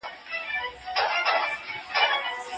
سم نیت ناامیدي نه زیاتوي.